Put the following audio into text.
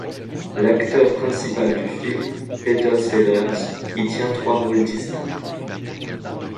L'acteur principal du film, Peter Sellers, y tient trois rôles distincts.